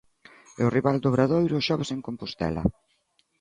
E o rival do Obradoiro o xoves en Compostela.